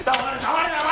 黙れ！